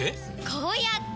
こうやって！